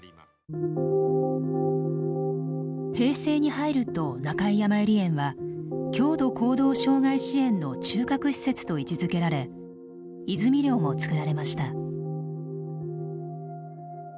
平成に入ると中井やまゆり園は強度行動障害支援の中核施設と位置づけられ泉寮も造られました。